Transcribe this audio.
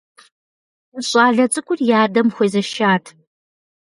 Щӏалэ цӏыкӏур и адэм хуезэшат.